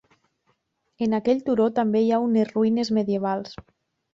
En aquell turó també hi ha unes ruïnes medievals.